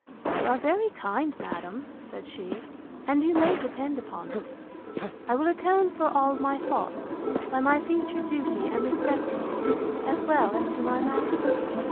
You are very kind, madam, said she; and you may depend upon it, I will atone for all my faults, by my future duty and respect to you, as well as to my master.